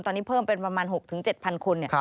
ตอนนี้เพิ่มเป็นประมาณ๖๗๐๐คน